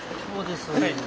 そうです。